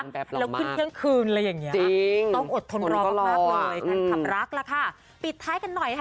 แบบเรามากจริงต้องอดทนรอมากคุณผู้ชมรักล่ะค่ะปิดท้ายกันหน่อยค่ะ